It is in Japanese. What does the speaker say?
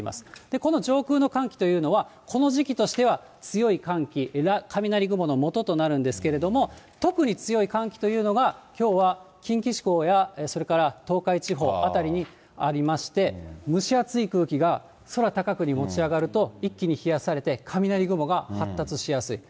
この上空の寒気というのは、この時期としては強い寒気、雷雲のもととなるんですけれども、特に強い寒気というのがきょうは近畿地方や、それから東海地方辺りにありまして、蒸し暑い空気が空高くに持ち上がると、一気に冷やされて、雷雲が発達しやすい。